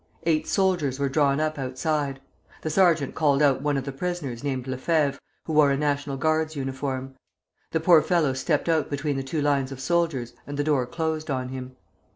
Eight soldiers were drawn up outside. The sergeant called out one of the prisoners named Lefevre, who wore a National Guard's uniform. The poor fellow stepped out between the two lines of soldiers, and the door closed on him.